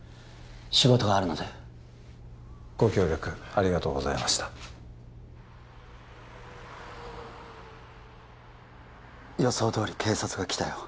仕事があるのでご協力ありがとうございました予想どおり警察が来たよ